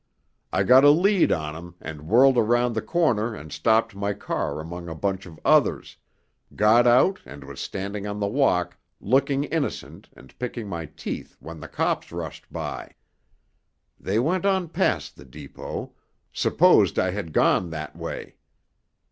I got a lead on 'em and whirled around the corner and stopped my car among a bunch of others—got out and was standing on the walk looking innocent and picking my teeth when the cops rushed by. They went on past the depot—supposed I had gone that way.